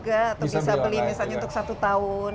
atau bisa beli misalnya untuk satu tahun